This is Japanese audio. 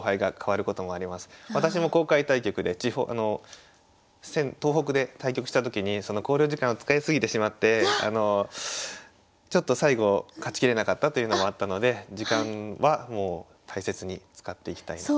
私も公開対局で東北で対局した時にその考慮時間を使い過ぎてしまってちょっと最後勝ちきれなかったというのもあったので時間はもう大切に使っていきたいなと。